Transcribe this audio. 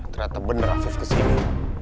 ternyata bener afif ke sini